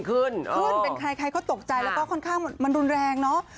ขึ้นขึ้นเป็นใครใครก็ตกใจแล้วก็ค่อนข้างมันรุนแรงเนอะ